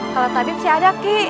kalau tabit sih ada ki